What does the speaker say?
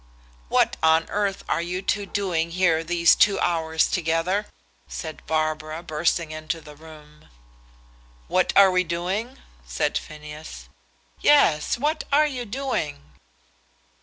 "What on earth are you two doing here these two hours together?" said Barbara, bursting into the room. "What are we doing?" said Phineas. "Yes; what are you doing?"